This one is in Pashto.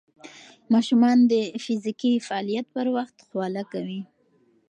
ماشومان د فزیکي فعالیت پر وخت خوله کوي.